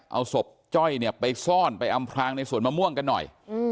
เอาศพจ้อยเนี่ยไปซ่อนไปอำพลางในสวนมะม่วงกันหน่อย